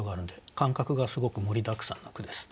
感覚がすごく盛りだくさんの句です。